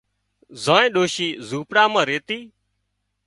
زانئينَ ڏوشِي زونپڙا مان ريتي